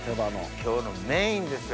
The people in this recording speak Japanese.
今日のメインですよ